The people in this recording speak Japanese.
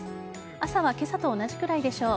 朝は今朝と同じくらいでしょう。